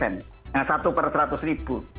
nah satu per seratus ribu